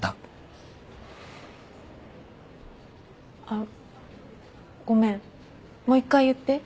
あっごめんもう一回言って。